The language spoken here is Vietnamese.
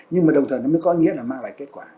nhưng mà đồng thời nó mới có nghĩa là mang lại kết quả